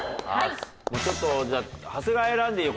ちょっとじゃあ長谷川選んでいいよ今後も。